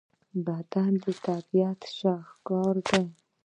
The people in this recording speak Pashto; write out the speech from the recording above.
بدن د طبیعت شاهکار دی.